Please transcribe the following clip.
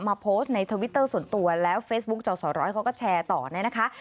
โพสต์ในทวิตเตอร์ส่วนตัวแล้วเฟซบุ๊คจอสร้อยเขาก็แชร์ต่อเนี่ยนะคะ